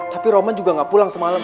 tapi roman juga nggak pulang semalam